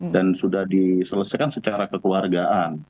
dan sudah diselesaikan secara kekeluargaan